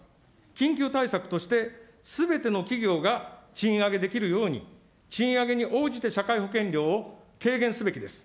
緊急対策として、すべての企業が賃上げできるように、賃上げに応じて社会保険料を軽減すべきです。